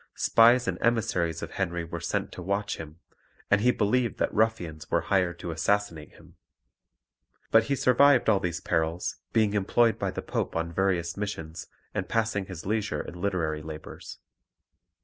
Spies and emissaries of Henry were sent to watch him, and he believed that ruffians were hired to assassinate him. But he survived all these perils, being employed by the Pope on various missions and passing his leisure in literary labours.